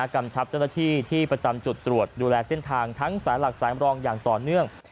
กำชับเจ้าหน้าที่ที่ประจำจุดตรวจดูแลเส้นทางทั้งสายหลักสายมรองอย่างต่อเนื่อง